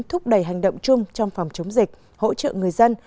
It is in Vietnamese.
thúc đẩy hành động chung trong phòng chống dịch hỗ trợ người dân